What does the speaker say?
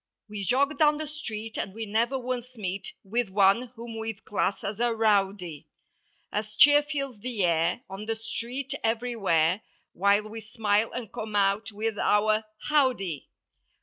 We jog down the street and we never once meet With one whom we'd class as a rowdy. As cheer fills the air, on the street—everjrwhere— While we smile and come out with our "Howdy."